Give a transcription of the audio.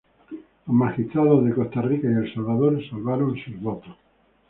Los magistrados de Costa Rica y El Salvador salvaron sus votos.